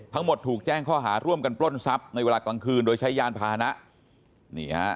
ถูกแจ้งข้อหาร่วมกันปล้นทรัพย์ในเวลากลางคืนโดยใช้ยานพานะนี่ฮะ